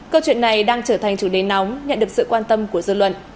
câu chuyện này đang trở thành chủ đề nóng nhận được sự quan tâm của dư luận